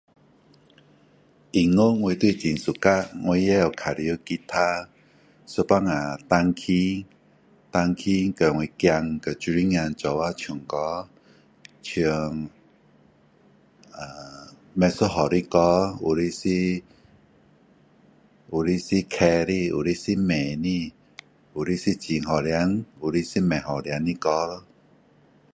音乐我也很喜欢我会弹 guitar 有时候弹琴我儿子和女儿一起唱歌唱不一样的歌有的是快的有的是慢的有的是很好听有的是不好听的歌咯